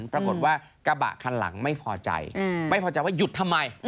ปรากฏว่ากระบะคันหลังไม่พอใจไม่พอใจว่าหยุดทำไม